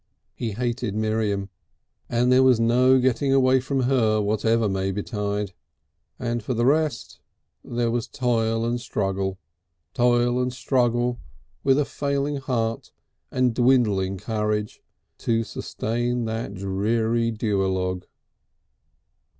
He hated Miriam, and there was no getting away from her whatever might betide. And for the rest there was toil and struggle, toil and struggle with a failing heart and dwindling courage, to sustain that dreary duologue.